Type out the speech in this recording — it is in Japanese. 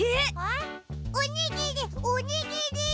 ん？おにぎりおにぎり！